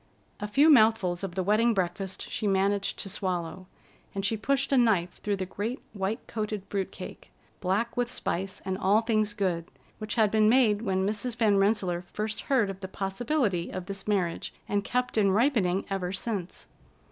A few mouthfuls of the wedding breakfast she managed to swallow, and she pushed a knife through the great white coated fruit cake, black with spice and all things good, which had been made when Mrs. Van Rensselaer first heard of the possibility of this marriage, and kept in ripening ever since.